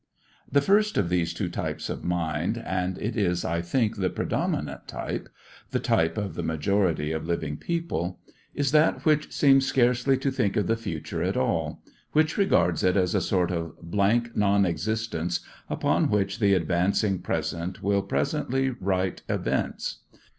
The first of these two types of mind, and it is, I think, the predominant type, the type of the majority of living people, is that which seems scarcely to think of the future at all, which regards it as a sort of blank non existence upon which the advancing present will presently write events.